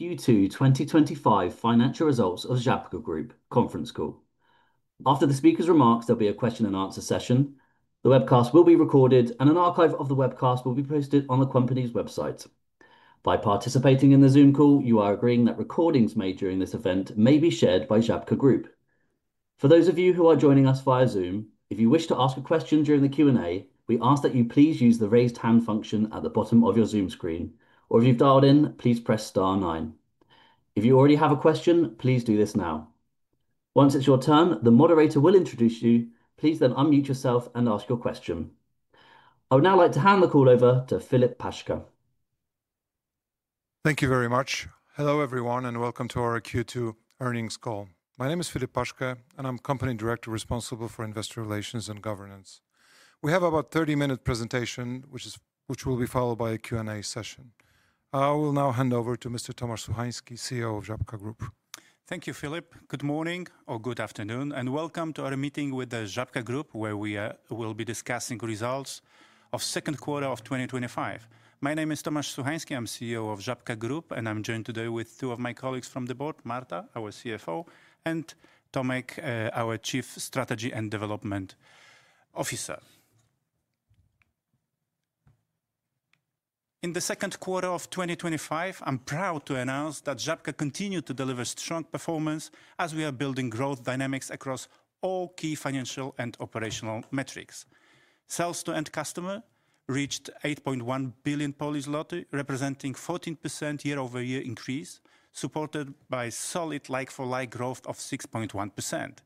Welcome to Q2 2025 Financial Results of Żabka Group Conference Call. After the speaker's remarks, there will be a question-and-answer session. The webcast will be recorded, and an archive of the webcast will be posted on the company's website. By participating in the Zoom call, you are agreeing that recordings made during this event may be shared by Żabka Group. For those of you who are joining us via Zoom, if you wish to ask a question during the Q&A, we ask that you please use the raised hand function at the bottom of your Zoom screen, or if you've dialed in, please press Star, nine. If you already have a question, please do this now. Once it's your turn, the moderator will introduce you. Please then unmute yourself and ask your question. I would now like to hand the call over to Filip Paszke. Thank you very much. Hello everyone, and welcome to our Q2 earnings call. My name is Filip Paszke, and I'm the Company Director responsible for Investor Relations and Governance. We have about a 30-minute presentation, which will be followed by a Q&A session. I will now hand over to Mr. Tomasz Suchański, CEO of Żabka Group. Thank you, Filip. Good morning, or good afternoon, and welcome to our meeting with the Żabka Group, where we will be discussing the results of the second quarter of 2025. My name is Tomasz Suchański, I'm CEO of Żabka Group, and I'm joined today with two of my colleagues from the board: Marta, our CFO, and Tomasz, our Chief Strategy and Development Officer. In the second quarter of 2025, I'm proud to announce that Żabka continues to deliver strong performance as we are building growth dynamics across all key financial and operational metrics. Sales to end customers reached 8.1 billion, representing a 14% year-over-year increase, supported by solid like-for-like growth of 6.1%.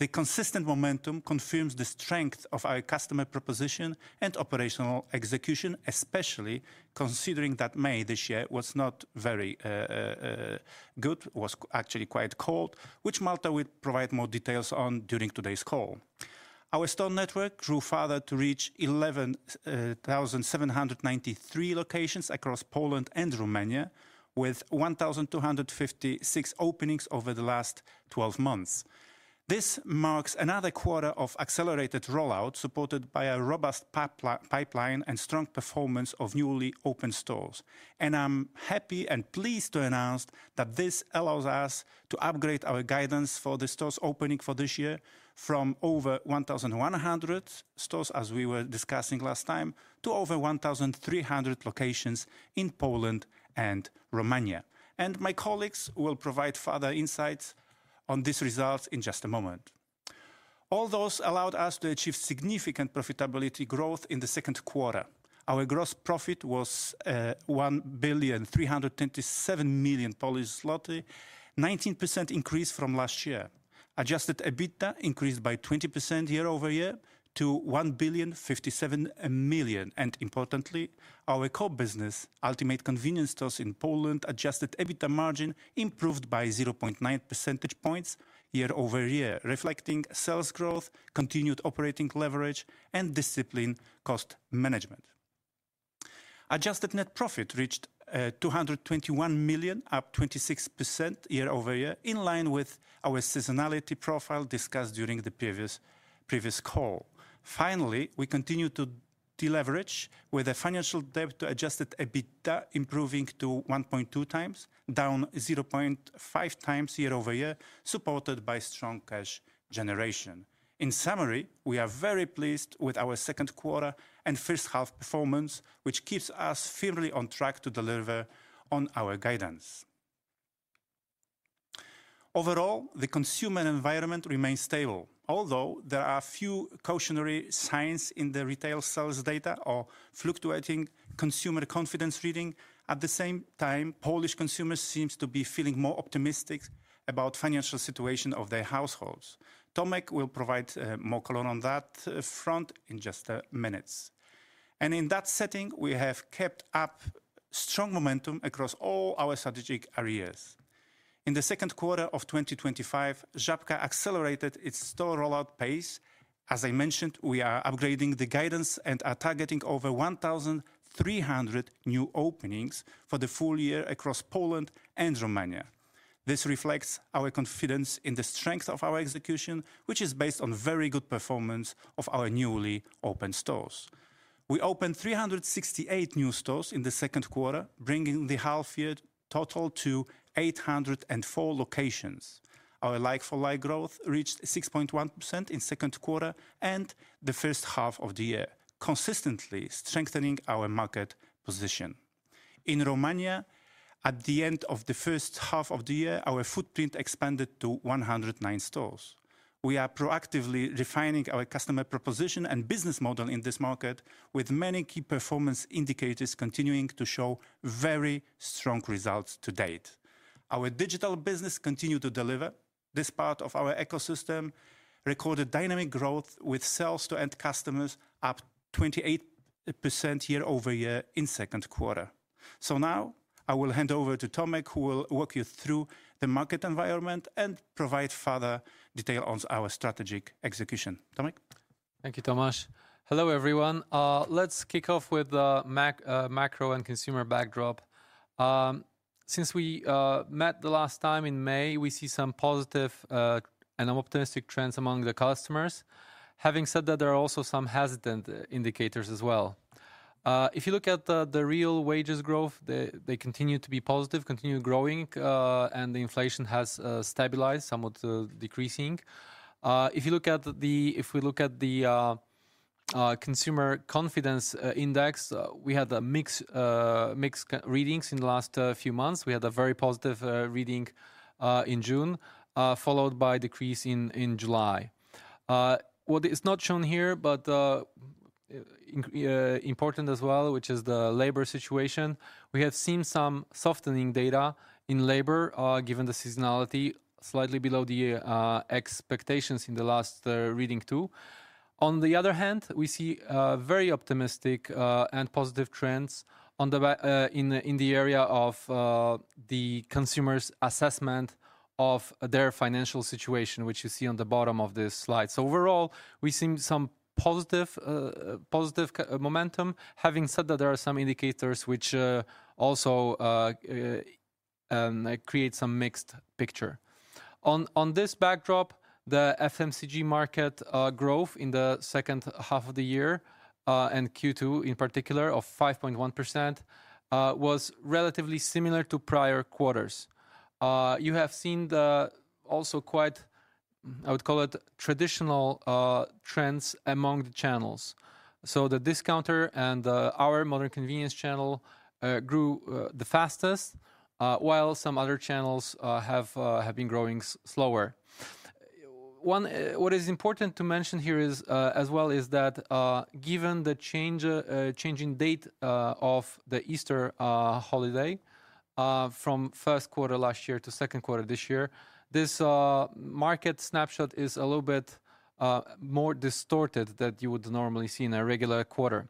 The consistent momentum confirms the strength of our customer proposition and operational execution, especially considering that May this year was not very good, was actually quite cold, which Marta will provide more details on during today's call. Our store network grew further to reach 11,793 locations across Poland and Romania, with 1,256 openings over the last 12 months. This marks another quarter of accelerated rollout, supported by a robust pipeline and strong performance of newly opened stores. I am happy and pleased to announce that this allows us to upgrade our guidance for the stores opening for this year from over 1,100 stores, as we were discussing last time, to over 1,300 locations in Poland and Romania. My colleagues will provide further insights on these results in just a moment. All those allowed us to achieve significant profitability growth in the second quarter. Our gross profit was 1,327 million Polish zloty, a 19% increase from last year. Adjusted EBITDA increased by 20% year-over-year to 1,057 million. Importantly, our core business, ultimate convenience stores in Poland, adjusted EBITDA margin improved by 0.9 percentage points year-over-year, reflecting sales growth, continued operating leverage, and disciplined cost management. Adjusted net profit reached 221 million, up 26% year-over-year, in line with our seasonality profile discussed during the previous call. Finally, we continue to deleverage with a financial debt to adjusted EBITDA improving to 1.2x, down 0.5x year-over-year, supported by strong cash generation. In summary, we are very pleased with our second quarter and first half performance, which keeps us firmly on track to deliver on our guidance. Overall, the consumer environment remains stable, although there are a few cautionary signs in the retail sales data or fluctuating consumer confidence reading. At the same time, Polish consumers seem to be feeling more optimistic about the financial situation of their households. Tomasz will provide more color on that front in just minutes. In that setting, we have kept up strong momentum across all our strategic areas. In the second quarter of 2025, Żabka accelerated its store rollout pace. As I mentioned, we are upgrading the guidance and are targeting over 1,300 new openings for the full year across Poland and Romania. This reflects our confidence in the strength of our execution, which is based on very good performance of our newly opened stores. We opened 368 new stores in the second quarter, bringing the half-year total to 804 locations. Our like-for-like growth reached 6.1% in the second quarter and the first half of the year, consistently strengthening our market position. In Romania, at the end of the first half of the year, our footprint expanded to 109 stores. We are proactively refining our customer proposition and business model in this market, with many key performance indicators continuing to show very strong results to date. Our digital business continues to deliver. This part of our ecosystem recorded dynamic growth with sales to end customers up 28% year-over-year in the second quarter. I will hand over to Tomasz, who will walk you through the market environment and provide further detail on our strategic execution. Tomasz? Thank you, Tomasz. Hello everyone. Let's kick off with the macro and consumer backdrop. Since we met the last time in May, we see some positive and optimistic trends among the customers. Having said that, there are also some hesitant indicators as well. If you look at the real wages growth, they continue to be positive, continue growing, and the inflation has stabilized, somewhat decreasing. If we look at the consumer confidence index, we had mixed readings in the last few months. We had a very positive reading in June, followed by a decrease in July. What is not shown here, but important as well, which is the labor situation, we have seen some softening data in labor, given the seasonality, slightly below the expectations in the last reading too. On the other hand, we see very optimistic and positive trends in the area of the consumer's assessment of their financial situation, which you see on the bottom of this slide. Overall, we see some positive momentum, having said that there are some indicators which also create some mixed picture. On this backdrop, the FMCG market growth in the second half of the year, and Q2 in particular of 5.1%, was relatively similar to prior quarters. You have seen the also quite, I would call it, traditional trends among the channels. The discounter and our modern convenience channel grew the fastest, while some other channels have been growing slower. What is important to mention here as well is that given the changing date of the Easter holiday from the first quarter last year to the second quarter this year, this market snapshot is a little bit more distorted than you would normally see in a regular quarter.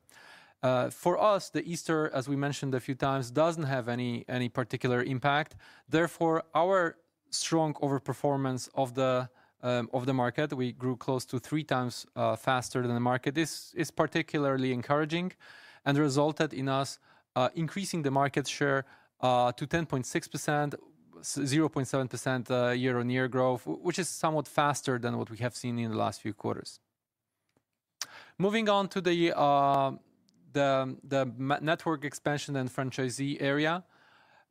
For us, the Easter, as we mentioned a few times, doesn't have any particular impact. Therefore, our strong overperformance of the market, we grew close to three times faster than the market, is particularly encouraging and resulted in us increasing the market share to 10.6%, 0.7% year-over-year growth, which is somewhat faster than what we have seen in the last few quarters. Moving on to the network expansion and franchisee area.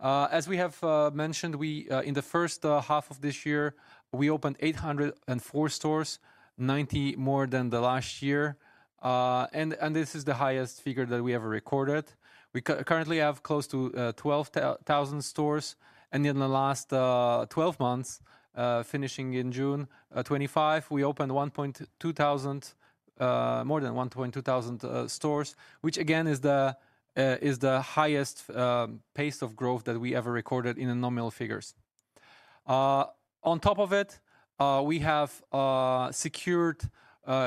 As we have mentioned, in the first half of this year, we opened 804 stores, 90 more than the last year. This is the highest figure that we ever recorded. We currently have close to 12,000 stores. In the last 12 months, finishing in June 2025, we opened more than 1,200 stores, which again is the highest pace of growth that we ever recorded in nominal figures. On top of it, we have secured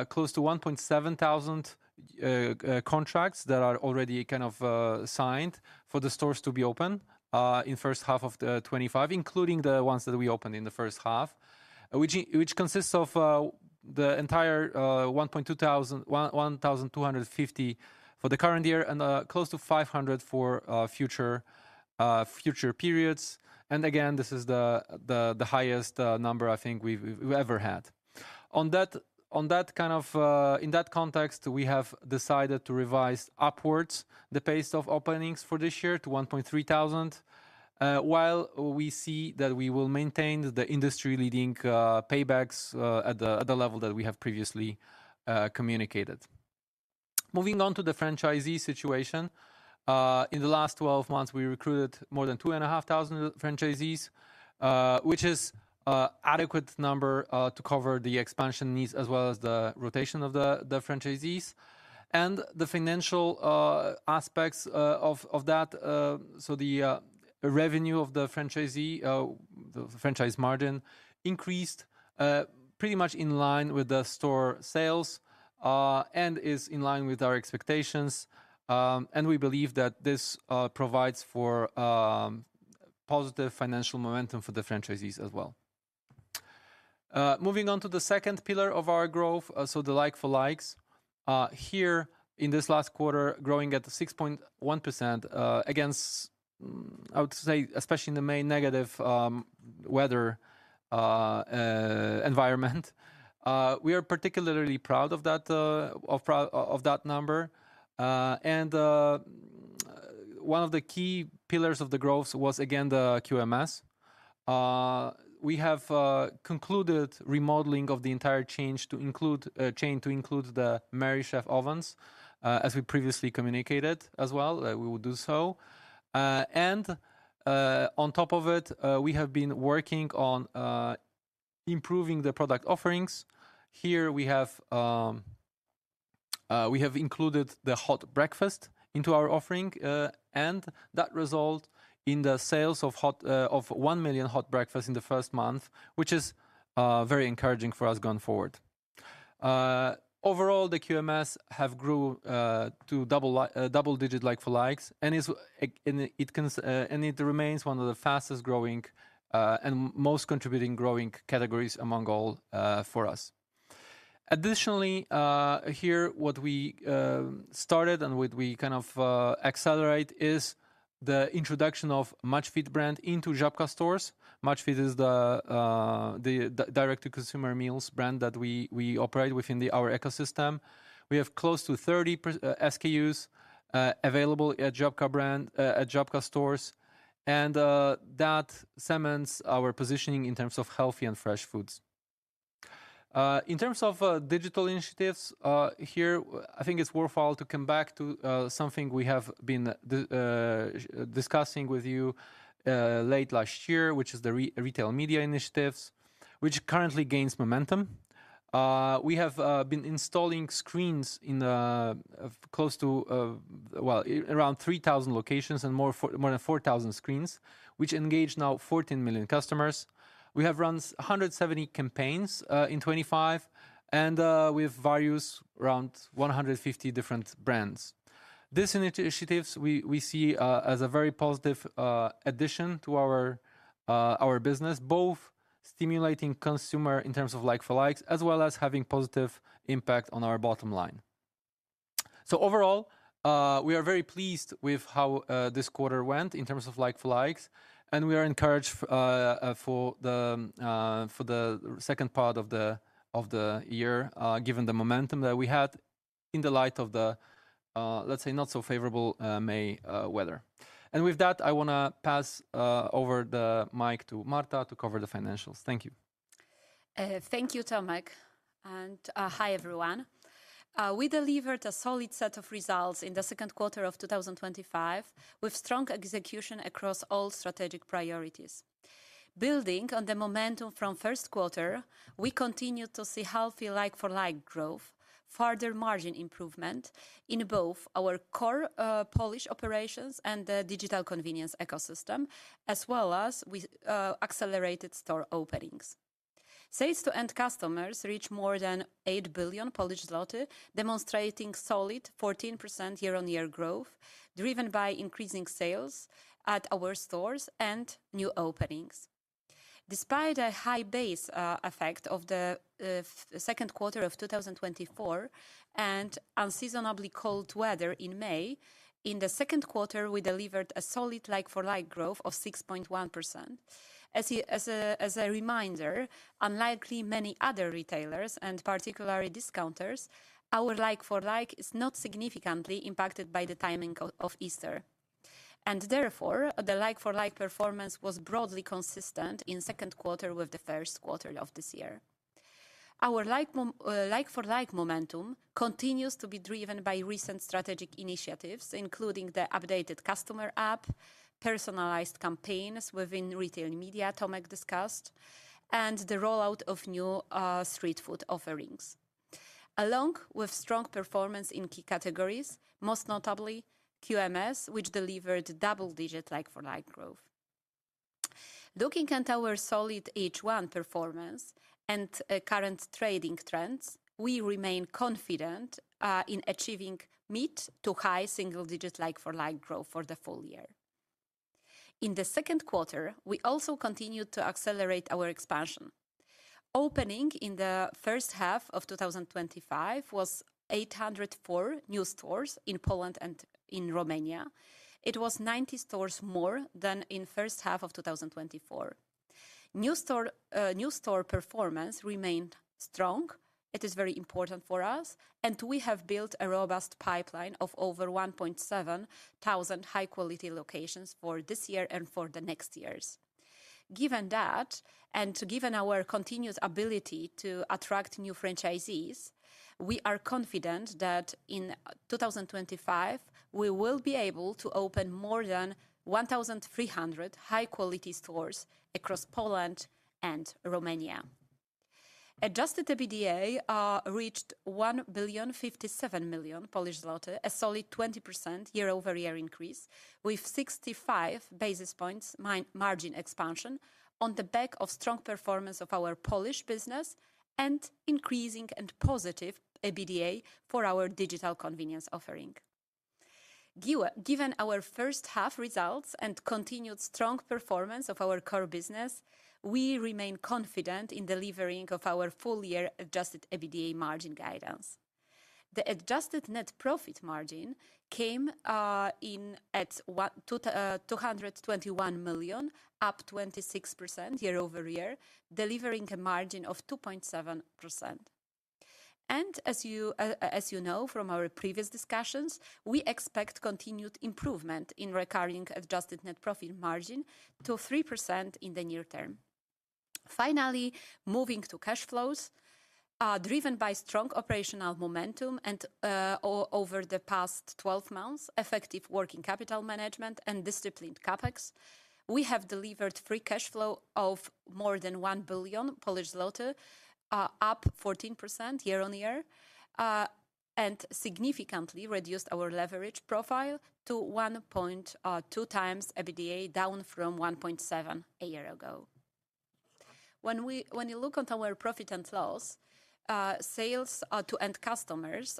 close to 1,700 contracts that are already kind of signed for the stores to be opened in the first half of 2025, including the ones that we opened in the first half, which consists of the entire 1,250 for the current year and close to 500 for future periods. This is the highest number I think we've ever had. In that context, we have decided to revise upwards the pace of openings for this year to 1,300, while we see that we will maintain the industry-leading paybacks at the level that we have previously communicated. Moving on to the franchisee situation, in the last 12 months, we recruited more than 2,500 franchisees, which is an adequate number to cover the expansion needs as well as the rotation of the franchisees. The financial aspects of that, so the revenue of the franchisee, the franchise margin increased pretty much in line with the store sales and is in line with our expectations. We believe that this provides for positive financial momentum for the franchisees as well. Moving on to the second pillar of our growth, so the like-for-likes. Here in this last quarter, growing at 6.1% against, I would say, especially in the main negative weather environment. We are particularly proud of that number. One of the key pillars of the growth was again the QMS. We have concluded remodeling of the entire chain to include the Merrychef ovens, as we previously communicated as well that we will do so. On top of it, we have been working on improving the product offerings. Here we have included the hot breakfast into our offering, and that resulted in the sales of 1 million hot breakfasts in the first month, which is very encouraging for us going forward. Overall, the QMS grew to double-digit like-for-likes, and it remains one of the fastest growing and most contributing growing categories among all for us. Additionally, here what we started and what we kind of accelerate is the introduction of Maczfit brand into Żabka stores. Maczfit is the direct-to-consumer meals brand that we operate within our ecosystem. We have close to 30 SKUs available at Żabka stores, and that cements our positioning in terms of healthy and fresh foods. In terms of digital initiatives, here I think it's worthwhile to come back to something we have been discussing with you late last year, which is the retail media initiatives, which currently gains momentum. We have been installing screens in close to, well, around 3,000 locations and more than 4,000 screens, which engage now 14 million customers. We have run 170 campaigns in 2025, and we have various around 150 different brands. These initiatives we see as a very positive addition to our business, both stimulating consumer in terms of like-for-likes, as well as having a positive impact on our bottom line. Overall, we are very pleased with how this quarter went in terms of like-for-likes, and we are encouraged for the second part of the year, given the momentum that we had in the light of the, let's say, not so favorable May weather. With that, I want to pass over the mic to Marta to cover the financials. Thank you, Tomasz, and hi everyone. We delivered a solid set of results in the second quarter of 2025 with strong execution across all strategic priorities. Building on the momentum from the first quarter, we continued to see healthy like-for-like growth, further margin improvement in both our core Polish operations and the digital convenience ecosystem, as well as with accelerated store openings. Sales to end customers reached more than 8 billion Polish zloty, demonstrating solid 14% year-on-year growth, driven by increasing sales at our stores and new openings. Despite a high base effect of the second quarter of 2024 and unseasonably cold weather in May, in the second quarter, we delivered a solid like-for-like growth of 6.1%. As a reminder, unlike many other retailers and particularly discounters, our like-for-like is not significantly impacted by the timing of Easter. Therefore, the like-for-like performance was broadly consistent in the second quarter with the first quarter of this year. Our like-for-like momentum continues to be driven by recent strategic initiatives, including the updated customer app, personalized campaigns within retail media Tomasz discussed, and the rollout of new street food offerings, along with strong performance in key categories, most notably QMS, which delivered double-digit like-for-like growth. Looking at our solid H1 performance and current trading trends, we remain confident in achieving mid to high single-digit like-for-like growth for the full year. In the second quarter, we also continued to accelerate our expansion. Opening in the first half of 2025 was 804 new stores in Poland and in Romania. It was 90 stores more than in the first half of 2024. New store performance remained strong. It is very important for us, and we have built a robust pipeline of over 1,700 high-quality locations for this year and for the next years. Given that, and given our continued ability to attract new franchisees, we are confident that in 2025, we will be able to open more than 1,300 high-quality stores across Poland and Romania. Adjusted EBITDA reached 1,057,000,000 Polish zloty, a solid 20% year-over-year increase, with 65 basis points margin expansion on the back of strong performance of our Polish business and increasing and positive EBITDA for our digital convenience offering. Given our first half results and continued strong performance of our core business, we remain confident in delivering our full-year adjusted EBITDA margin guidance. The adjusted net profit margin came in at 221,000,000, up 26% year-over-year, delivering a margin of 2.7%. As you know from our previous discussions, we expect continued improvement in recurring adjusted net profit margin to 3% in the near term. Finally, moving to cash flows, driven by strong operational momentum and, over the past 12 months, effective working capital management and disciplined CapEx, we have delivered free cash flow of more than 1 billion Polish zloty, up 14% year-on-year, and significantly reduced our leverage profile to 1.2x EBITDA, down from 1.7x a year ago. When you look at our profit and loss, sales to end customers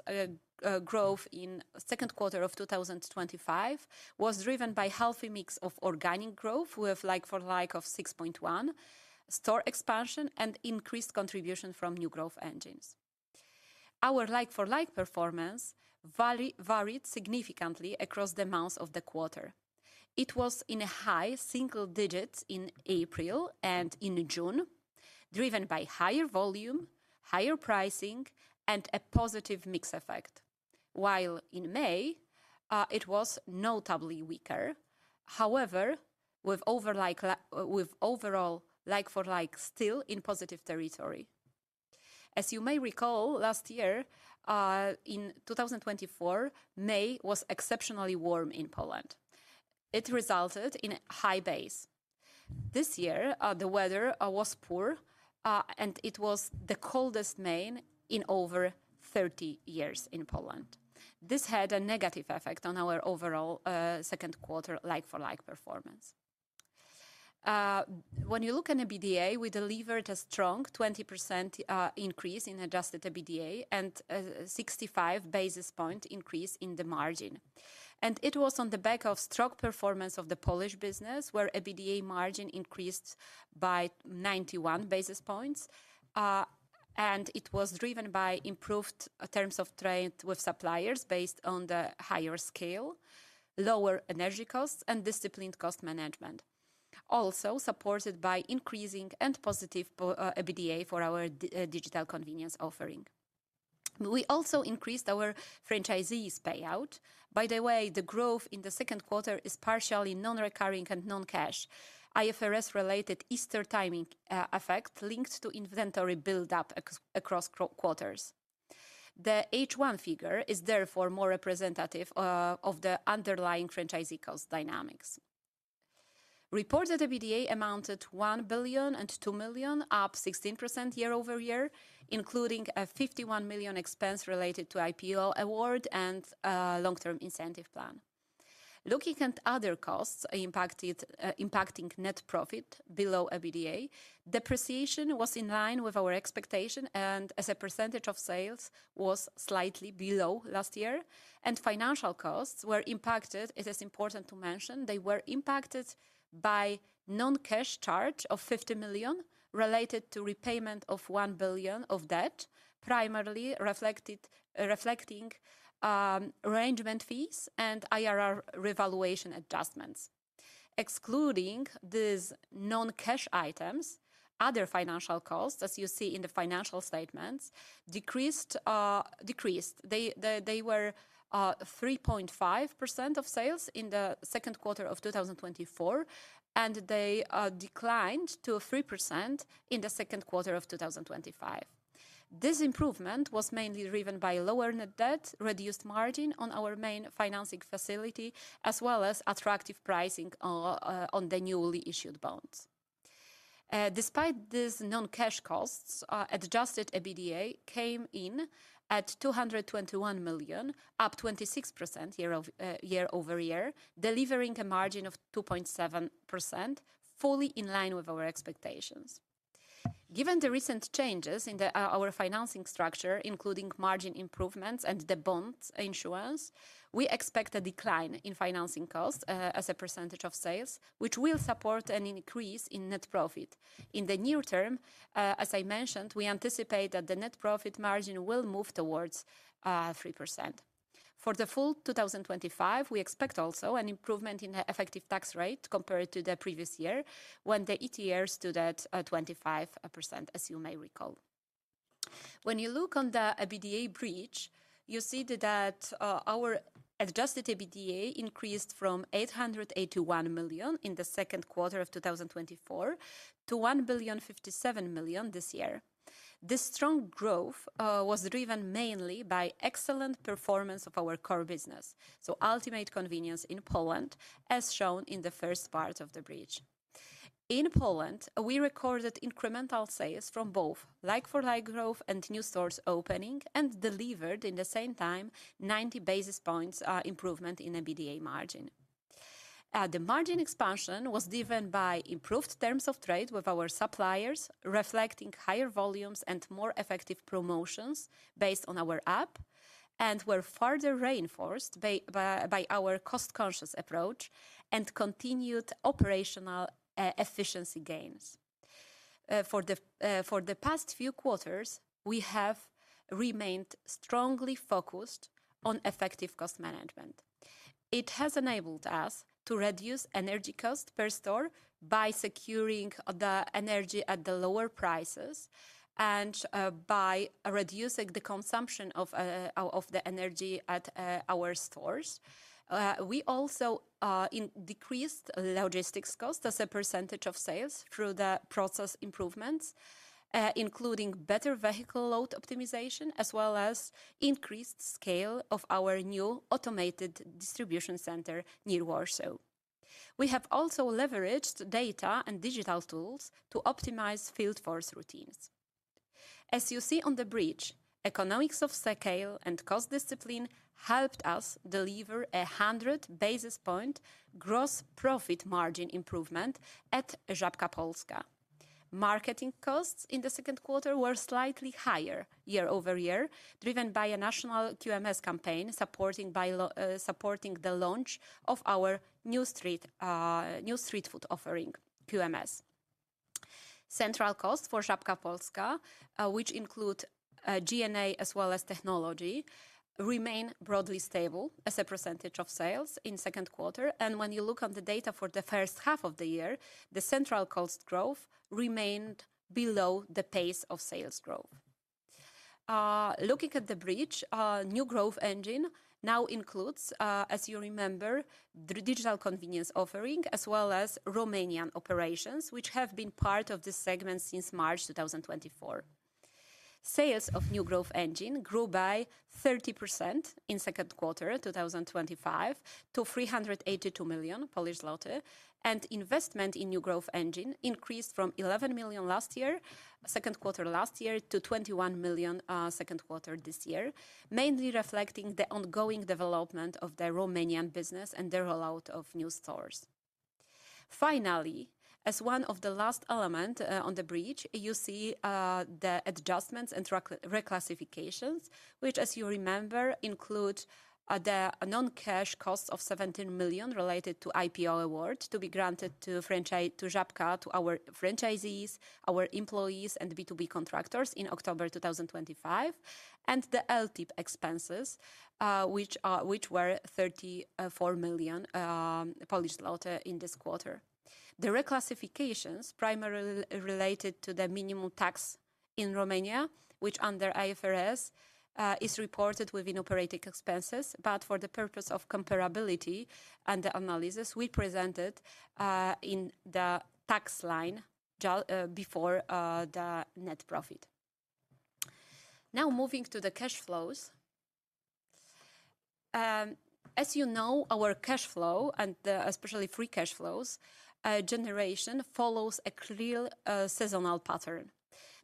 growth in the second quarter of 2025 was driven by a healthy mix of organic growth with like-for-like of 6.1%, store expansion, and increased contribution from new growth engines. Our like-for-like performance varied significantly across the months of the quarter. It was in a high single digit in April and in June, driven by higher volume, higher pricing, and a positive mix effect, while in May, it was notably weaker, however, with overall like-for-like still in positive territory. As you may recall, last year, in 2024, May was exceptionally warm in Poland. It resulted in high base. This year, the weather was poor, and it was the coldest May in over 30 years in Poland. This had a negative effect on our overall second quarter like-for-like performance. When you look at EBITDA, we delivered a strong 20% increase in adjusted EBITDA and a 65 basis point increase in the margin. It was on the back of strong performance of the Polish business, where EBITDA margin increased by 91 basis points. It was driven by improved terms of trade with suppliers based on the higher scale, lower energy costs, and disciplined cost management, also supported by increasing and positive EBITDA for our digital convenience offering. We also increased our franchisees' payout. By the way, the growth in the second quarter is partially non-recurring and non-cash, IFRS-related Easter timing effect linked to inventory buildup across quarters. The H1 figure is therefore more representative of the underlying franchisee cost dynamics. Reported EBITDA amounted to 1,002 million, up 16% year-over-year, including a 51 million expense related to IPO award and long-term incentive plan. Looking at other costs impacting net profit below EBITDA, depreciation was in line with our expectation, and as a percentage of sales was slightly below last year, and financial costs were impacted. It is important to mention they were impacted by a non-cash charge of $50 million related to repayment of $1 billion of debt, primarily reflecting arrangement fees and IRR revaluation adjustments. Excluding these non-cash items, other financial costs, as you see in the financial statements, decreased. They were 3.5% of sales in the second quarter of 2024, and they declined to 3% in the second quarter of 2025. This improvement was mainly driven by lower net debt, reduced margin on our main financing facility, as well as attractive pricing on the newly issued bonds. Despite these non-cash costs, adjusted EBITDA came in at $221 million, up 26% year-over-year, delivering a margin of 2.7%, fully in line with our expectations. Given the recent changes in our financing structure, including margin improvements and the bonds issuance, we expect a decline in financing costs as a percentage of sales, which will support an increase in net profit. In the near term, as I mentioned, we anticipate that the net profit margin will move towards 3%. For the full year 2025, we expect also an improvement in the effective tax rate compared to the previous year, when the ETR stood at 25%, as you may recall. When you look on the EBITDA bridge, you see that our adjusted EBITDA increased from $881 million in the second quarter of 2024 to $1.057 billion this year. This strong growth was driven mainly by excellent performance of our core business, so Ultimate Convenience in Poland, as shown in the first part of the bridge. In Poland, we recorded incremental sales from both like-for-like growth and new stores opening and delivered in the same time 90 basis points improvement in EBITDA margin. The margin expansion was driven by improved terms of trade with our suppliers, reflecting higher volumes and more effective promotions based on our app, and were further reinforced by our cost-conscious approach and continued operational efficiency gains. For the past few quarters, we have remained strongly focused on effective cost management. It has enabled us to reduce energy costs per store by securing the energy at the lower prices and by reducing the consumption of the energy at our stores. We also decreased logistics costs as a percentage of sales through the process improvements, including better vehicle load optimization, as well as increased scale of our new automated distribution center near Warsaw. We have also leveraged data and digital tools to optimize field force routines. As you see on the bridge, economics of scale and cost discipline helped us deliver a 100 basis point gross profit margin improvement at Żabka Polska. Marketing costs in the second quarter were slightly higher year-over-year, driven by a national QMS campaign supporting the launch of our new street food offering, QMS. Central costs for Żabka Polska, which include G&A as well as technology, remain broadly stable as a percentage of sales in the second quarter. When you look at the data for the first half of the year, the central cost growth remained below the pace of sales growth. Looking at the bridge, new growth engine now includes, as you remember, the digital convenience offering, as well as Romanian operations, which have been part of this segment since March 2024. Sales of new growth engine grew by 30% in the second quarter of 2025 to 382 million Polish zloty, and investment in new growth engine increased from 11 million in the second quarter last year to 21 million in the second quarter this year, mainly reflecting the ongoing development of the Romanian business and the rollout of new stores. Finally, as one of the last elements on the bridge, you see the adjustments and reclassifications, which, as you remember, include the non-cash costs of 17 million related to IPO awards to be granted to Żabka, to our franchisees, our employees, and B2B contractors in October 2025, and the LTIP expenses, which were 34 million Polish zloty in this quarter. The reclassifications primarily related to the minimum tax in Romania, which under IFRS is reported within operating expenses, but for the purpose of comparability and the analysis, we presented in the tax line before the net profit. Now moving to the cash flows. As you know, our cash flow, and especially free cash flows, generation follows a clear seasonal pattern.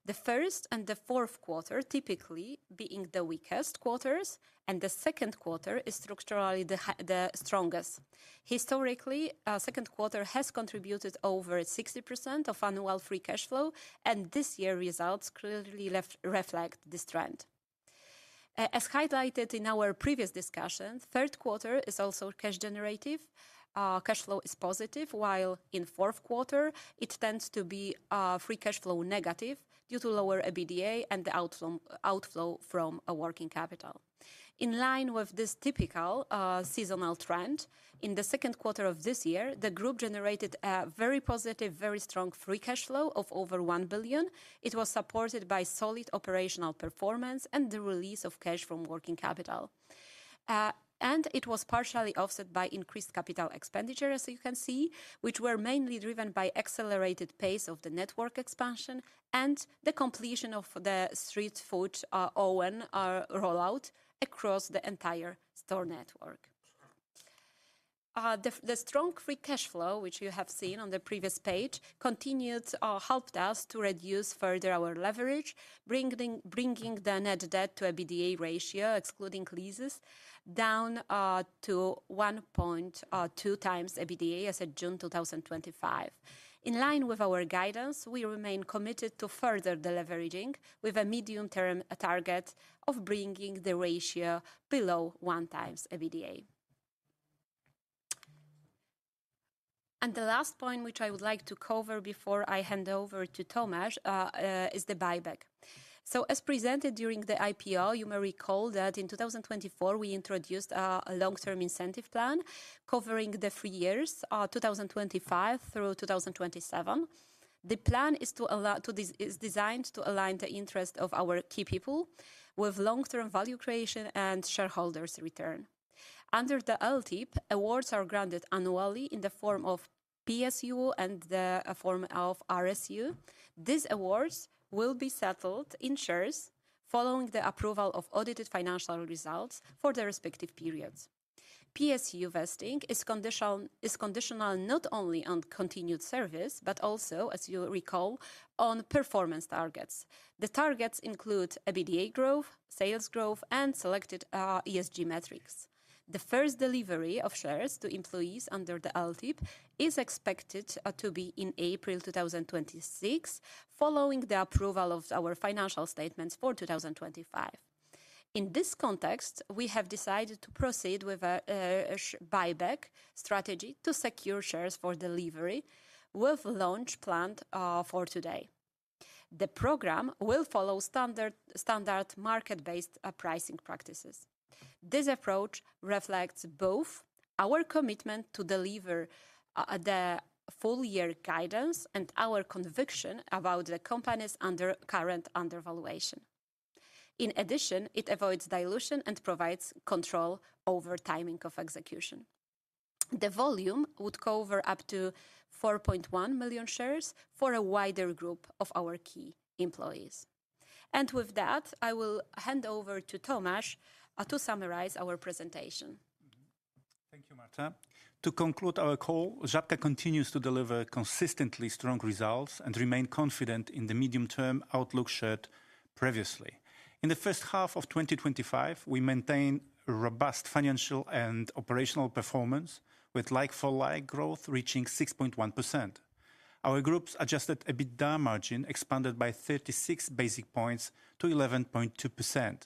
The first and the fourth quarter typically being the weakest quarters, and the second quarter is structurally the strongest. Historically, the second quarter has contributed over 60% of annual free cash flow, and this year's results clearly reflect this trend. As highlighted in our previous discussion, the third quarter is also cash generative. Cash flow is positive, while in the fourth quarter, it tends to be free cash flow negative due to lower EBITDA and the outflow from working capital. In line with this typical seasonal trend, in the second quarter of this year, the group generated a very positive, very strong free cash flow of over 1 billion. It was supported by solid operational performance and the release of cash from working capital. It was partially offset by increased capital expenditure, as you can see, which were mainly driven by the accelerated pace of the network expansion and the completion of the street food rollout across the entire store network. The strong free cash flow, which you have seen on the previous page, continued to help us to reduce further our leverage, bringing the net debt to adjusted EBITDA ratio, excluding leases, down to 1.2x adjusted EBITDA as of June 2025. In line with our guidance, we remain committed to further deleveraging with a medium-term target of bringing the ratio below 1x adjusted EBITDA. The last point which I would like to cover before I hand over to Tomasz is the buyback. As presented during the IPO, you may recall that in 2024, we introduced a long-term incentive plan covering the three years, 2025 through 2027. The plan is designed to align the interests of our key people with long-term value creation and shareholders' return. Under the LTIP, awards are granted annually in the form of PSU and the form of RSU. These awards will be settled in shares following the approval of audited financial results for the respective periods. PSU vesting is conditional not only on continued service, but also, as you recall, on performance targets. The targets include EBITDA growth, sales growth, and selected ESG metrics. The first delivery of shares to employees under the LTIP is expected to be in April 2026, following the approval of our financial statements for 2025. In this context, we have decided to proceed with a buyback strategy to secure shares for delivery with a launch planned for today. The program will follow standard market-based pricing practices. This approach reflects both our commitment to deliver the full-year guidance and our conviction about the company's current undervaluation. In addition, it avoids dilution and provides control over timing of execution. The volume would cover up to 4.1 million shares for a wider group of our key employees. With that, I will hand over to Tomasz to summarize our presentation. Thank you, Marta. To conclude our call, Żabka continues to deliver consistently strong results and remains confident in the medium-term outlook shared previously. In the first half of 2025, we maintained robust financial and operational performance with like-for-like growth reaching 6.1%. Our group's adjusted EBITDA margin expanded by 36 basis points to 11.2%,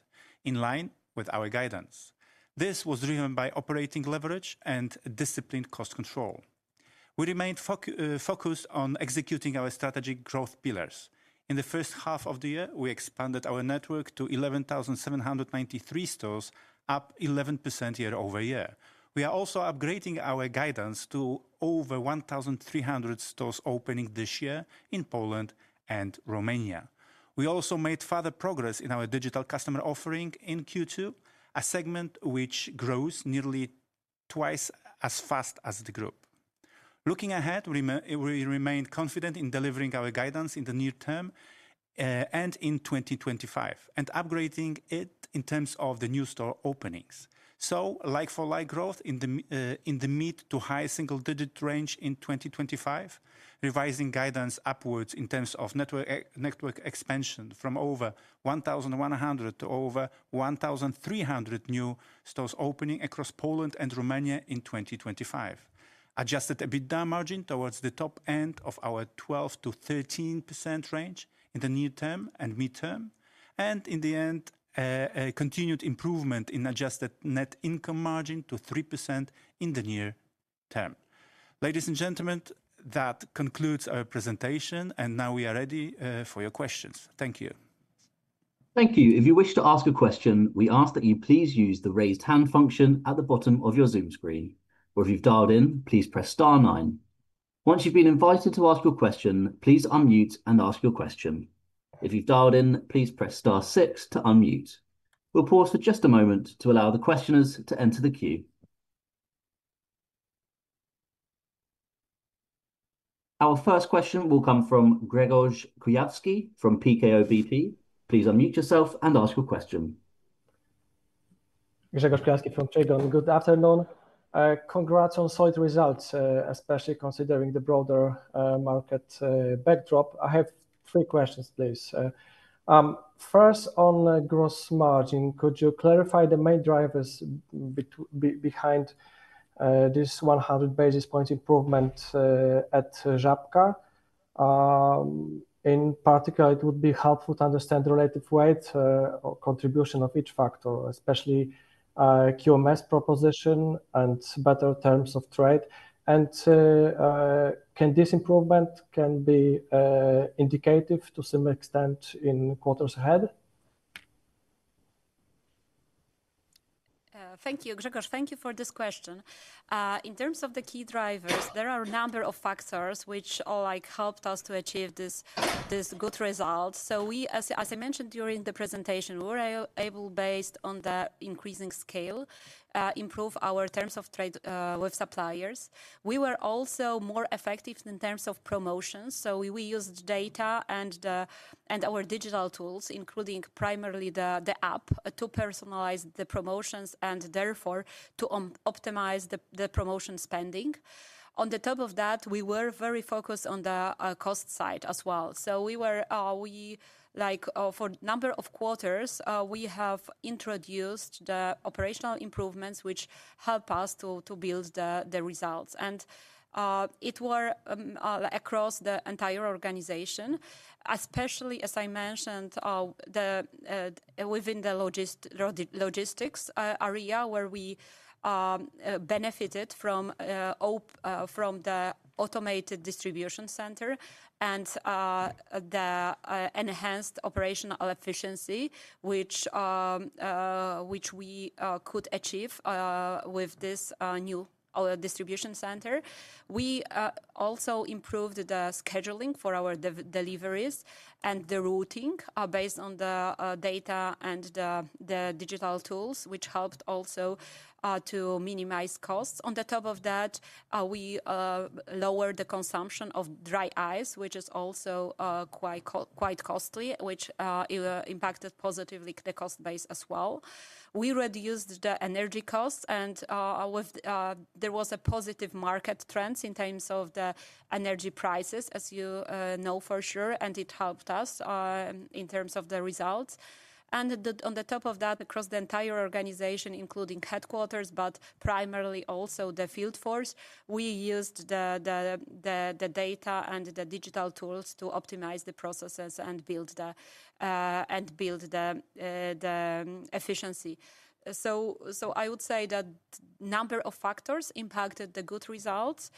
in line with our guidance. This was driven by operating leverage and disciplined cost control. We remained focused on executing our strategic growth pillars. In the first half of the year, we expanded our network to 11,793 stores, up 11% year-over-year. We are also upgrading our guidance to over 1,300 stores opening this year in Poland and Romania. We also made further progress in our digital customer offering in Q2, a segment which grows nearly twice as fast as the group. Looking ahead, we remain confident in delivering our guidance in the near term and in 2025, and upgrading it in terms of the new store openings. Like-for-like growth in the mid to high single-digit range in 2025, revising guidance upwards in terms of network expansion from over 1,100 to over 1,300 new stores opening across Poland and Romania in 2025. Adjusted EBITDA margin towards the top end of our 12%-13% range in the near term and midterm, and in the end, continued improvement in adjusted net income margin to 3% in the near term. Ladies and gentlemen, that concludes our presentation, and now we are ready for your questions. Thank you. If you wish to ask a question, we ask that you please use the raised hand function at the bottom of your Zoom screen. If you've dialed in, please press Star, nine. Once you've been invited to ask your question, please unmute and ask your question. If you've dialed in, please press star six to unmute. We'll pause for just a moment to allow the questioners to enter the queue. Our first question will come from Grzegorz Kujawski from PKO BP. Please unmute yourself and ask your question. Good afternoon. Congrats on solid results, especially considering the broader market backdrop. I have three questions, please. First, on gross margin, could you clarify the main drivers behind this 100 basis point improvement at Żabka? In particular, it would be helpful to understand the relative weight or contribution of each factor, especially QMS proposition and better terms of trade. Can this improvement be indicative to some extent in quarters ahead? Thank you, Grzegorz. Thank you for this question. In terms of the key drivers, there are a number of factors which all helped us to achieve this good result. As I mentioned during the presentation, we were able, based on the increasing scale, to improve our terms of trade with suppliers. We were also more effective in terms of promotions. We used data and our digital tools, including primarily the Żappka app, to personalize the promotions and therefore to optimize the promotion spending. On top of that, we were very focused on the cost side as well. For a number of quarters, we have introduced the operational improvements which help us to build the results. It was across the entire organization, especially, as I mentioned, within the logistics area where we benefited from the automated distribution center and the enhanced operational efficiency which we could achieve with this new distribution center. We also improved the scheduling for our deliveries and the routing based on the data and the digital tools, which helped also to minimize costs. On top of that, we lowered the consumption of dry ice, which is also quite costly, which impacted positively the cost base as well. We reduced the energy costs, and there was a positive market trend in terms of the energy prices, as you know for sure, and it helped us in terms of the results. On top of that, across the entire organization, including headquarters, but primarily also the field force, we used the data and the digital tools to optimize the processes and build the efficiency. I would say that a number of factors impacted the good results.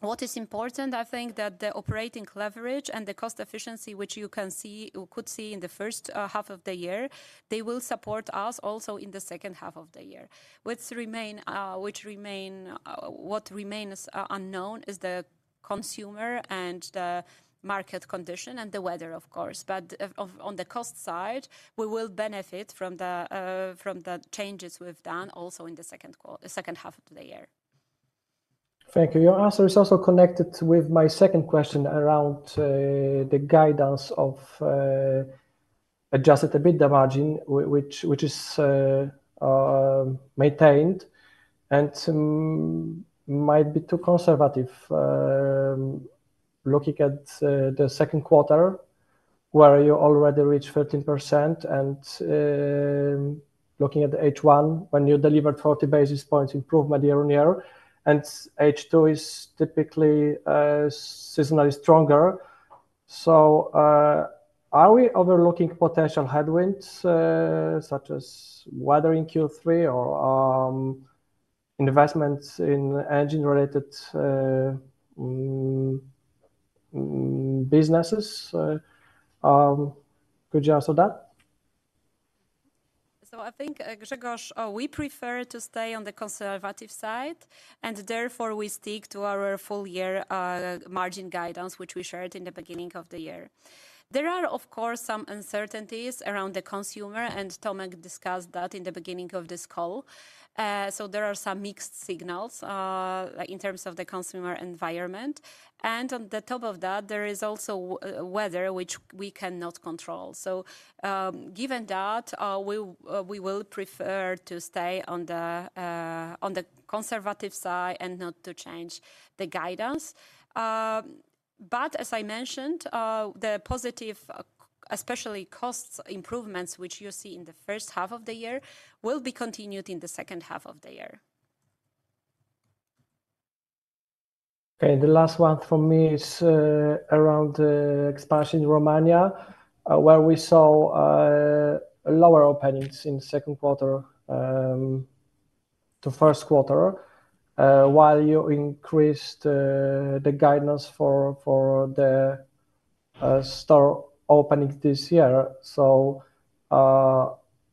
What is important, I think, is that the operating leverage and the cost efficiency, which you could see in the first half of the year, will support us also in the second half of the year. What remains unknown is the consumer and the market condition and the weather, of course. On the cost side, we will benefit from the changes we've done also in the second half of the year. Thank you. Your answer is also connected with my second question around the guidance of adjusted EBITDA margin, which is maintained and might be too conservative. Looking at the second quarter, where you already reached 13%, and looking at the H1, when you delivered 40 basis points improvement year on year, and H2 is typically seasonally stronger. Are we overlooking potential headwinds, such as weather in Q3 or investments in engine-related businesses? Could you answer that? I think, Grzegorz, we prefer to stay on the conservative side, and therefore we stick to our full-year margin guidance, which we shared in the beginning of the year. There are, of course, some uncertainties around the consumer, and Tomasz discussed that in the beginning of this call. There are some mixed signals in terms of the consumer environment. On the top of that, there is also weather, which we cannot control. Given that, we will prefer to stay on the conservative side and not to change the guidance. As I mentioned, the positive, especially cost improvements, which you see in the first half of the year, will be continued in the second half of the year. Okay. The last one from me is around the expansion in Romania, where we saw lower openings in the second quarter to first quarter, while you increased the guidance for the store openings this year.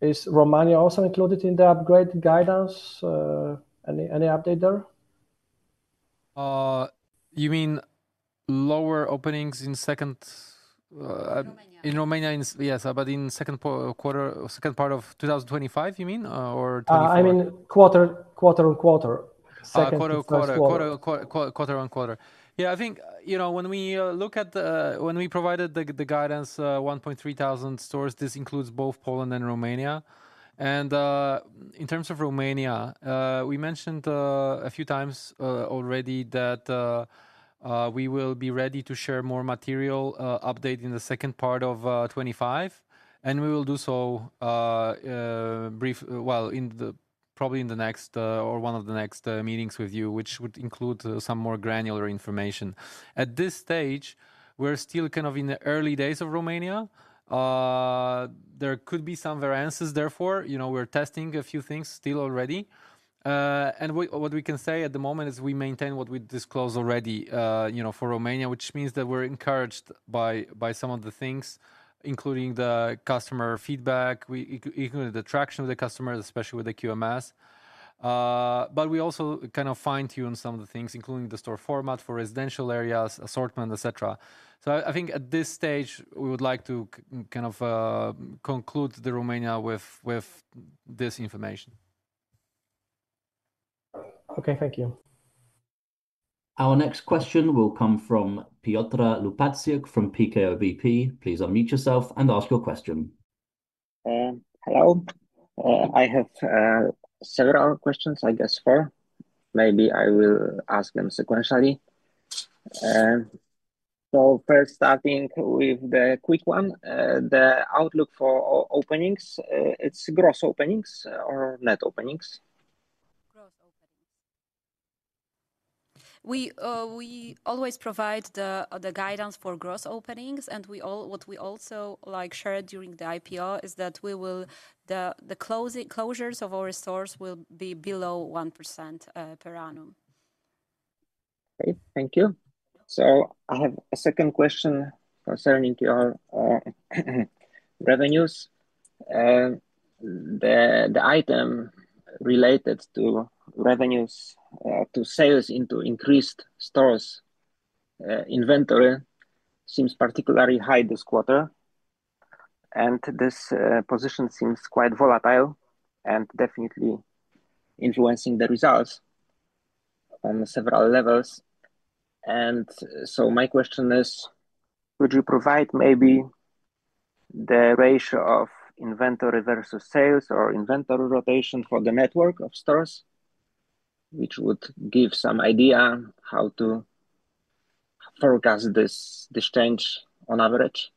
Is Romania also included in the upgrade guidance? Any update there? You mean lower openings in the second? In Romania, yes, but in the second quarter, second part of 2025, you mean? Or? I mean quarter-on-quarter. Quarter-on-quarter. Yeah, I think, you know, when we look at when we provided the guidance, 1,300 stores, this includes both Poland and Romania. In terms of Romania, we mentioned a few times already that we will be ready to share more material update in the second part of 2025. We will do so, probably in the next or one of the next meetings with you, which would include some more granular information. At this stage, we're still kind of in the early days of Romania. There could be some variances, therefore, you know, we're testing a few things still already. What we can say at the moment is we maintain what we disclosed already, you know, for Romania, which means that we're encouraged by some of the things, including the customer feedback, including the traction of the customers, especially with the QMS. We also kind of fine-tune some of the things, including the store format for residential areas, assortment, etc. I think at this stage, we would like to kind of conclude the Romania with this information. Okay, thank you. Our next question will come from Piotr Łopaciuk from PKO BP. Please unmute yourself and ask your question. Hello. I have several questions, I guess four. Maybe I will ask them sequentially. First, I think with the quick one, the outlook for openings, it's gross openings or net openings? We always provide the guidance for gross openings, and what we also shared during the IPO is that the closures of our stores will be below 1% per annum. Thank you. I have a second question concerning your revenues. The item related to revenues to sales into increased stores inventory seems particularly high this quarter. This position seems quite volatile and definitely influencing the results on several levels. My question is, could you provide maybe the ratio of inventory versus sales or inventory rotation for the network of stores, which would give some idea how to forecast this change on average?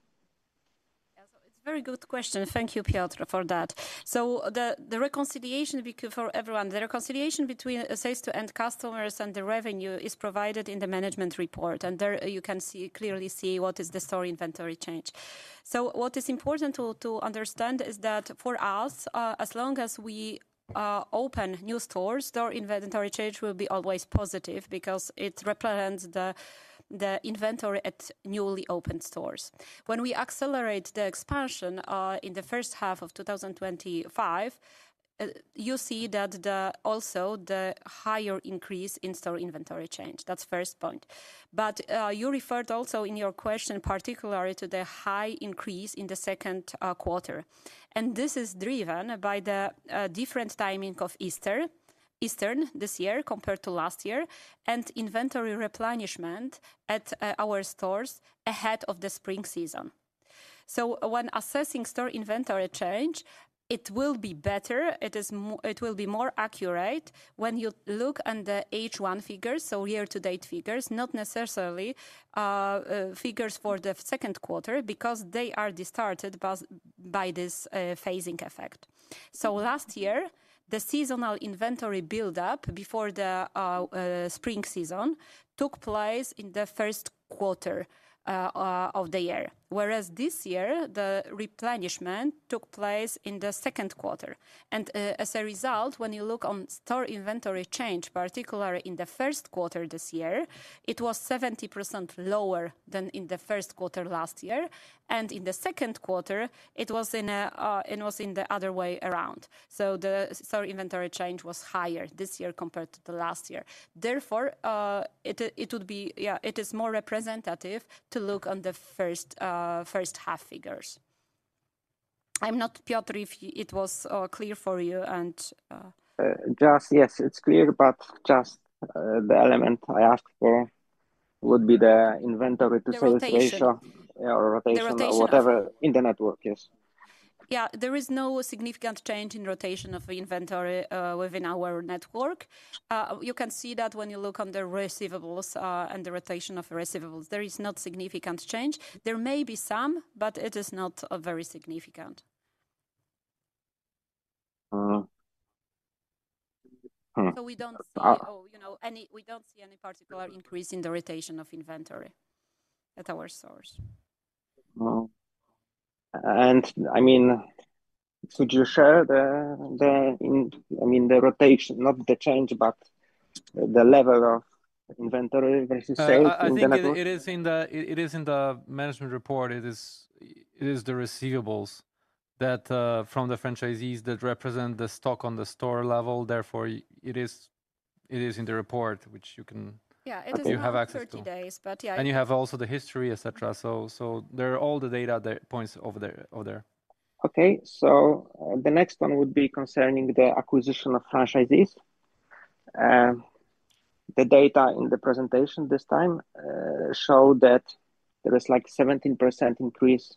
It's a very good question. Thank you, Piotr, for that. The reconciliation for everyone, the reconciliation between sales to end customers and the revenue is provided in the management report. There you can clearly see what is the store inventory change. What is important to understand is that for us, as long as we open new stores, store inventory change will be always positive because it represents the inventory at newly opened stores. When we accelerate the expansion in the first half of 2025, you see that also the higher increase in store inventory change. That's the first point. You referred also in your question particularly to the high increase in the second quarter. This is driven by the different timing of Easter this year compared to last year and inventory replenishment at our stores ahead of the spring season. When assessing store inventory change, it will be better. It will be more accurate when you look at the H1 figures, so year-to-date figures, not necessarily figures for the second quarter because they are distorted by this phasing effect. Last year, the seasonal inventory buildup before the spring season took place in the first quarter of the year, whereas this year, the replenishment took place in the second quarter. As a result, when you look on store inventory change, particularly in the first quarter this year, it was 70% lower than in the first quarter last year. In the second quarter, it was in the other way around. The store inventory change was higher this year compared to the last year. Therefore, it is more representative to look on the first half figures. I'm not, Piotr, if it was clear for you and. Yes, it's clear, just the element I asked for would be the inventory to sales ratio or rotation or whatever in the network, yes. Yeah, there is no significant change in rotation of inventory within our network. You can see that when you look on the receivables and the rotation of receivables, there is not significant change. There may be some, but it is not very significant. We don't see any particular increase in the rotation of inventory at our stores. Could you share the rotation, not the change, but the level of inventory versus sales? It is in the management report. It is the receivables from the franchisees that represent the stock on the store level. Therefore, it is in the report, which you can, you have access to. Yeah, it is in 30 days, yeah. You have also the history, etc. There are all the data that points over there. Okay, the next one would be concerning the acquisition of franchisees. The data in the presentation this time showed that there was a 17% increase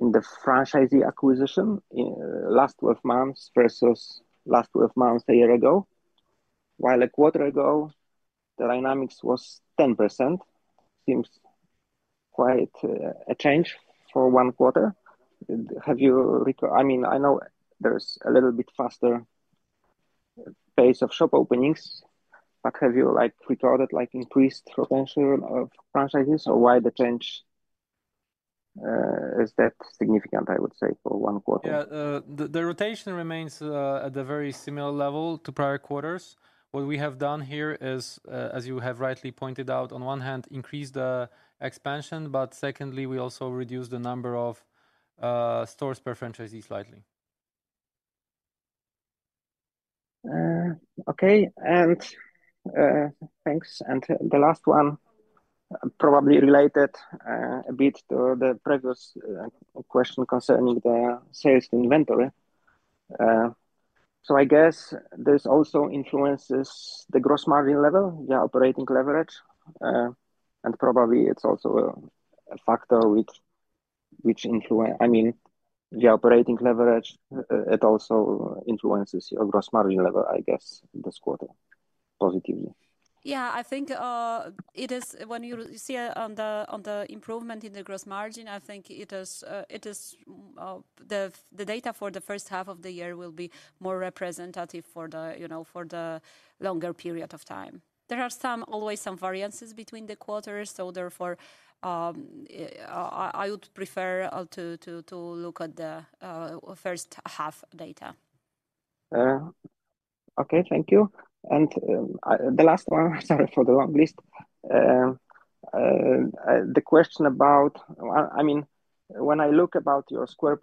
in the franchisee acquisition in the last 12 months versus the last 12 months a year ago, while a quarter ago, the dynamics was 10%. It seems quite a change for one quarter. I know there's a little bit faster pace of shop openings, but have you recorded increased potential of franchisees or why the change is that significant, I would say, for one quarter? Yeah, the rotation remains at a very similar level to prior quarters. What we have done here is, as you have rightly pointed out, on one hand, increase the expansion, but secondly, we also reduce the number of stores per franchisee slightly. Thank you. The last one is probably related a bit to the previous question concerning the sales inventory. I guess this also influences the gross margin level, the operating leverage, and probably it's also a factor which influences, I mean, the operating leverage. It also influences your gross margin level, I guess, this quarter positively. Yeah, I think it is, when you see on the improvement in the gross margin, I think it is the data for the first half of the year will be more representative for the longer period of time. There are always some variances between the quarters, so therefore, I would prefer to look at the first half data. Thank you. The last one, sorry for the long list, the question about, I mean, when I look at your sales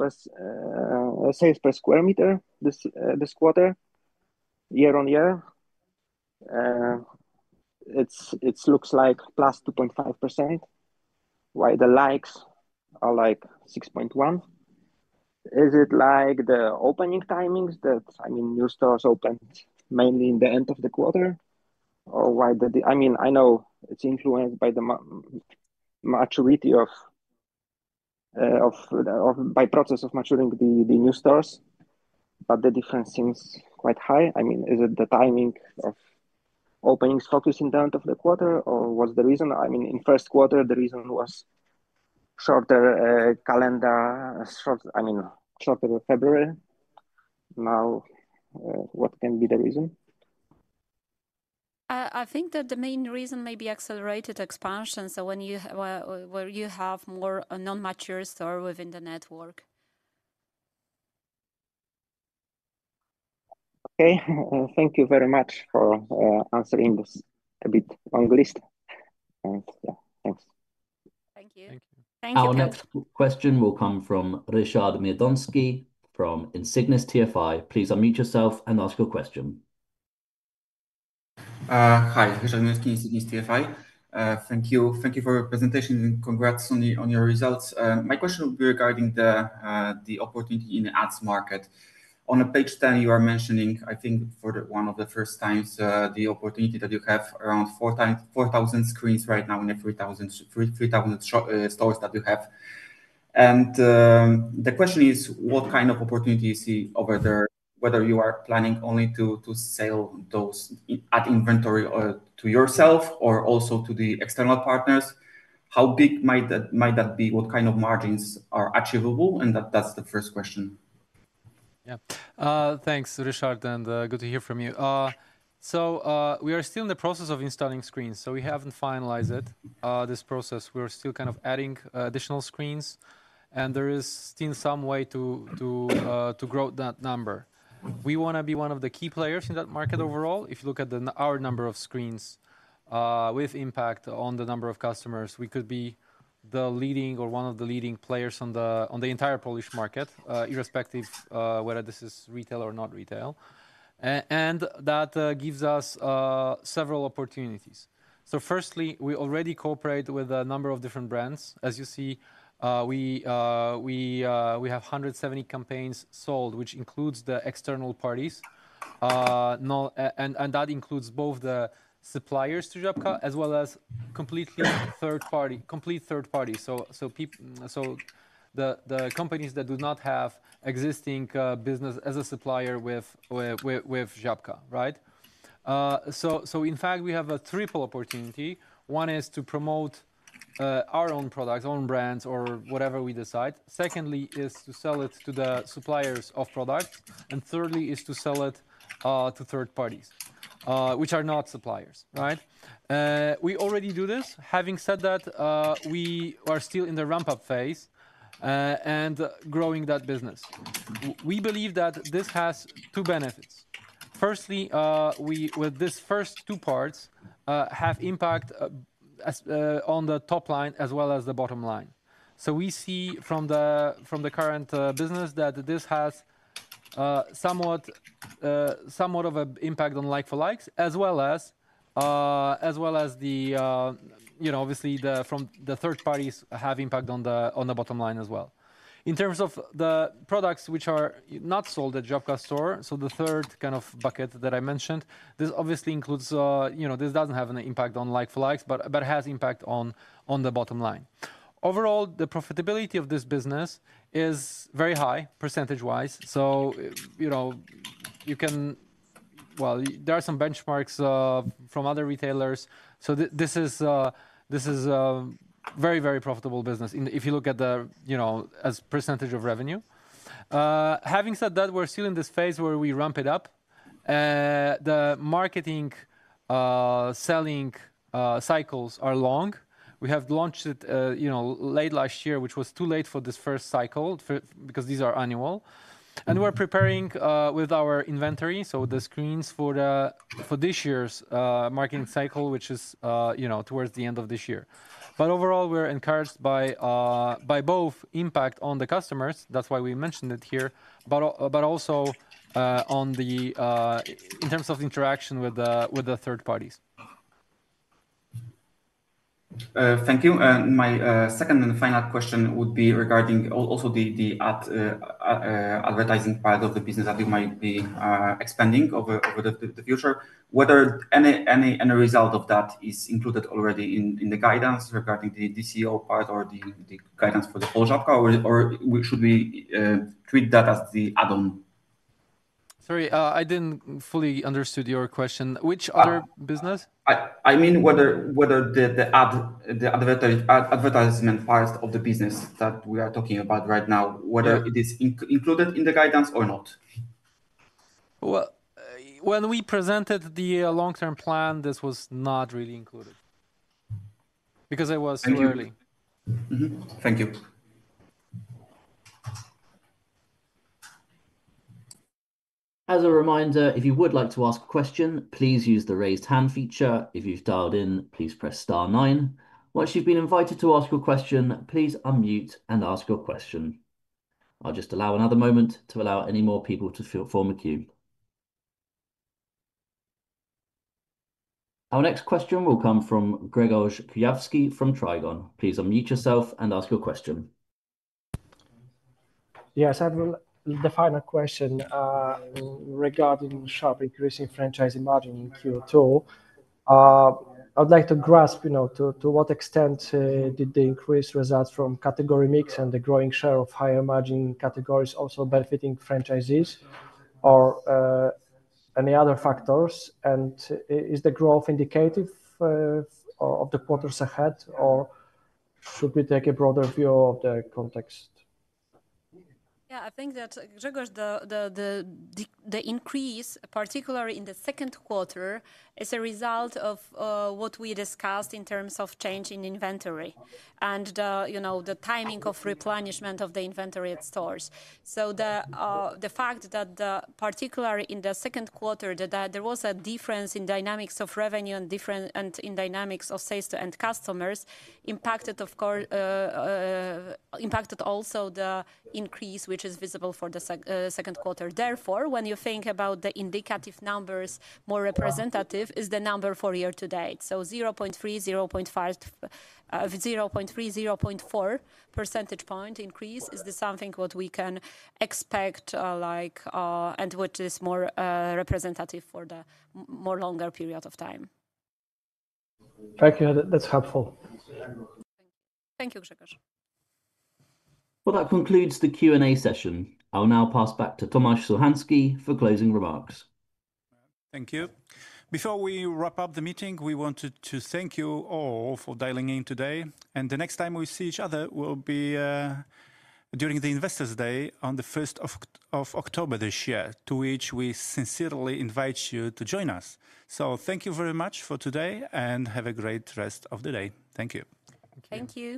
per square meter this quarter, year-on-year, it looks like +2.5%, while the likes are like 6.1%. Is it like the opening timings that, I mean, new stores open mainly at the end of the quarter? Or why the, I mean, I know it's influenced by the maturity of, by process of maturing the new stores, but the difference seems quite high. Is it the timing of openings focusing at the end of the quarter or was the reason, I mean, in the first quarter, the reason was shorter calendar, I mean, shorter in February? Now, what can be the reason? I think that the main reason may be accelerated expansion, when you have more non-mature stores within the network. Okay, thank you very much for answering this a bit long list. Thanks. Thank you. Thank you. Our next question will come from Ryszard Miodoński with Insignis TFI: Please unmute yourself and ask your question. Hi, Ryszard Miodoński from Insignis TFI. Thank you. Thank you for your presentation and congrats on your results. My question would be regarding the opportunity in the ads market. On page 10, you are mentioning, I think, for one of the first times, the opportunity that you have around 4,000 screens right now in every 3,000 stores that you have. The question is, what kind of opportunity do you see over there, whether you are planning only to sell those ad inventory to yourself or also to the external partners? How big might that be? What kind of margins are achievable? That's the first question. Yeah. Thanks, Ryszard. Good to hear from you. We are still in the process of installing screens. We haven't finalized this process. We're still kind of adding additional screens, and there is still some way to grow that number. We want to be one of the key players in that market overall. If you look at our number of screens with impact on the number of customers, we could be the leading or one of the leading players on the entire Polish market, irrespective of whether this is retail or not retail. That gives us several opportunities. Firstly, we already cooperate with a number of different brands. As you see, we have 170 campaigns sold, which includes the external parties. That includes both the suppliers to Żabka, as well as completely third party, complete third party. The companies that do not have existing business as a supplier with Żabka, right? In fact, we have a triple opportunity. One is to promote our own products, own brands, or whatever we decide. Secondly is to sell it to the suppliers of products. Thirdly is to sell it to third parties, which are not suppliers, right? We already do this. Having said that, we are still in the ramp-up phase and growing that business. We believe that this has two benefits. Firstly, with these first two parts, we have impact on the top line as well as the bottom line. We see from the current business that this has somewhat of an impact on like-for-likes, as well as, you know, obviously, the third parties have impact on the bottom line as well. In terms of the products which are not sold at Żabka store, so the third kind of bucket that I mentioned, this obviously includes, you know, this doesn't have an impact on like-for-likes, but it has impact on the bottom line. Overall, the profitability of this business is very high percentage wise. You can, well, there are some benchmarks from other retailers. This is a very, very profitable business if you look at the, you know, as a percentage of revenue. Having said that, we're still in this phase where we ramp it up. The marketing selling cycles are long. We have launched it late last year, which was too late for this first cycle because these are annual. We're preparing with our inventory, so the screens for this year's marketing cycle, which is towards the end of this year. Overall, we're encouraged by both impact on the customers. That's why we mentioned it here, but also in terms of interaction with the third parties. Thank you. My second and final question would be regarding also the advertising part of the business that you might be expanding over the future. Whether any result of that is included already in the guidance regarding the DCO part or the guidance for the full Żabka, or should we treat that as the add-on? Sorry, I didn't fully understand your question. Which other business? I mean, whether the advertisement part of the business that we are talking about right now is included in the guidance or not. When we presented the long-term plan, this was not really included because it was too early. Thank you. As a reminder, if you would like to ask a question, please use the raised hand feature. If you've dialed in, please press Star, nine. Once you've been invited to ask your question, please unmute and ask your question. I'll just allow another moment to allow any more people to form a queue. Our next question will come from Grzegorz Kujawski from Trigon. Please unmute yourself and ask your question. Yes, I have the final question regarding the sharp increase in franchise margin in Q2. I would like to grasp to what extent did the increase result from category mix and the growing share of higher margin categories also benefiting franchisees or any other factors? Is the growth indicative of the quarters ahead, or should we take a broader view of the context? Yeah, I think that, Grzegorz, the increase, particularly in the second quarter, is a result of what we discussed in terms of change in inventory and the timing of replenishment of the inventory at stores. The fact that, particularly in the second quarter, there was a difference in dynamics of revenue and in dynamics of sales to end customers impacted, of course, also the increase which is visible for the second quarter. Therefore, when you think about the indicative numbers, more representative is the number for year to date. 0.3, 0.5, 0.3, 0.4 percentage point increase is something that we can expect and which is more representative for the more longer period of time. Thank you. That's helpful. Thank you, Grzegorz. That concludes the Q&A session. I'll now pass back to Tomasz Suchański for closing remarks. Thank you. Before we wrap up the meeting, we wanted to thank you all for dialing in today. The next time we see each other will be during the Investors Day on October 1, 2024, to which we sincerely invite you to join us. Thank you very much for today and have a great rest of the day. Thank you. Thank you.